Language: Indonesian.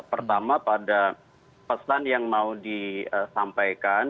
pertama pada pesan yang mau disampaikan